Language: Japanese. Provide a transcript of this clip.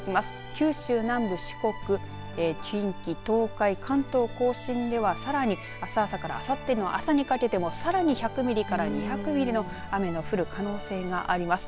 九州南部、四国、近畿、東海関東甲信では、さらにあす朝からあさっての朝にかけてさらに１００ミリから２００ミリの雨の降る可能性があります。